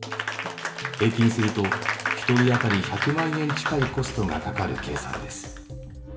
平均すると１人当たり１００万円近いコストがかかる計算です。